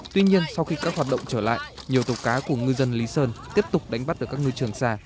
tuy nhiên sau khi các hoạt động trở lại nhiều tàu cá của ngư dân lý sơn tiếp tục đánh bắt ở các ngư trường xa